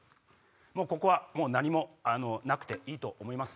ここはもう何もなくていいと思います。